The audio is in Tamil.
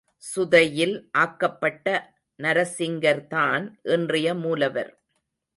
சுதையில் ஆக்கப்பட்ட நரசிங்கர்தான் இன்றைய மூலவர்.